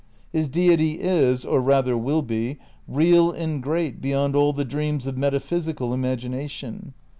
His Deity is, or rather will be, real and great beyond all the dreams of metaphysi cal imagination.